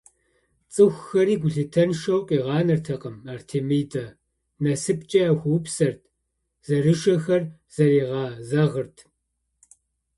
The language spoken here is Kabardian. ЦӀыхухэри гулъытэншэу къигъанэртэкъым Артемидэ, насыпкӀэ яхуэупсэрт, зэрышэхэр зэригъэзэгъырт.